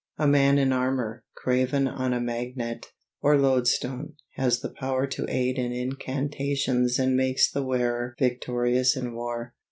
A man in armor, graven on a magnet, or loadstone, has the power to aid in incantations and makes the wearer victorious in war.